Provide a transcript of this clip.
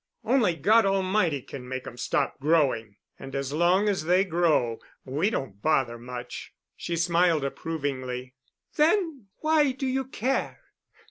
Only God Almighty can make 'em stop growing. And as long as they grow, we don't bother much." She smiled approvingly. "Then why do you care?"